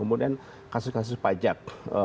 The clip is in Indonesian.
kemudian kasus kasus pajak